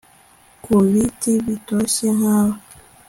ku biti bitoshye Nkawe